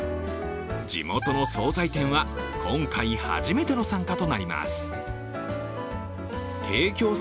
地元の総菜店は今回初めての参加となります。